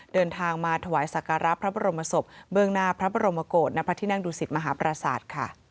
เดินทางมาถวายสักการะพระบรมศพเบื้องหน้าพระบรมโกศณพระที่นั่งดูสิตมหาปราศาสตร์ค่ะ